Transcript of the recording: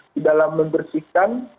di dalam membersihkan